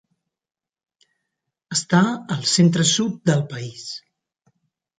Està al centre-sud del país.